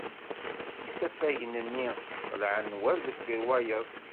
Isafagen-nni qelɛen wa deffir wayeḍ.